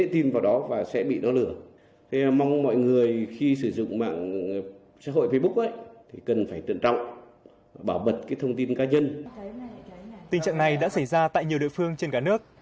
tình trạng này đã xảy ra tại nhiều địa phương trên cả nước